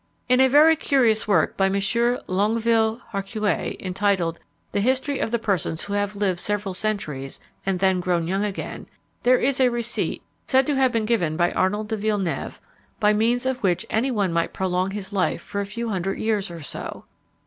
] In a very curious work by Monsieur Longeville Harcouet, entitled The History of the Persons who have lived several centuries and then grown young again, there is a receipt, said to have been given by Arnold de Villeneuve, by means of which any one might prolong his life for a few hundred years or so.